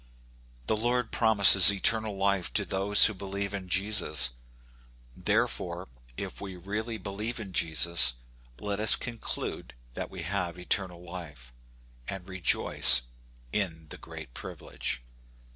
The Lord promises eternal life to those who believe in Jesus ; therefore if we really believe in Jesus, let us conclude that we have eternal life, and rejoice in the great privilege.